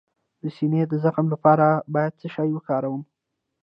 د سینې د زخم لپاره باید څه شی وکاروم؟